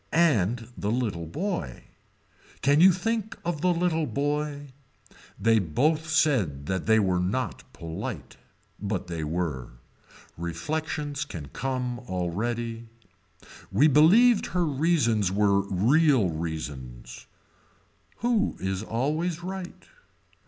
And the little boy. Can you think of the little boy. They both said that they were not polite. But they were. Reflections can come already. We believed her reasons were real reasons. Who is always right.